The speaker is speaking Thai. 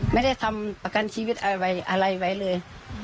ไม่ได้ทำประกันชีวิตอะไรไว้เลย